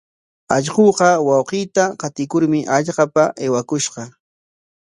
Allquuqa wawqiita qatikurmi hallqapa aywakushqa.